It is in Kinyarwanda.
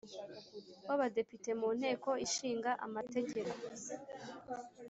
w Abadepite mu Nteko Ishinga Amategeko